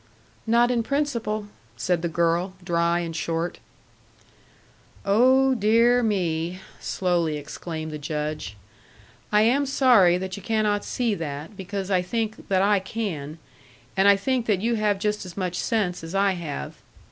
"Not in principle," said the girl, dry and short. "Oh dear me!" slowly exclaimed the Judge. "I am sorry that you cannot see that, because I think that I can. And I think that you have just as much sense as I have."